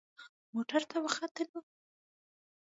موټر ته وختلو.